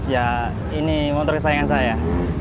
ya ini motor kesayangan saya